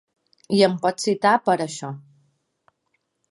I em pots citar per a això.